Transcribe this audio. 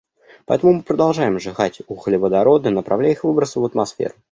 Поэтому мы продолжаем сжигать углеводороды, направляя их выбросы в атмосферу.